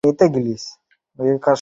বেশ মিথ্যে বলা শুরু করেছ দেখছি।